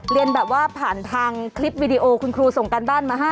เรียนแบบว่าผ่านทางคลิปวิดีโอคุณครูส่งการบ้านมาให้